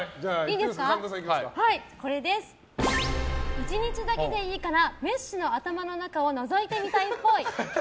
１日だけでいいからメッシの頭の中をのぞいてみたいっぽい。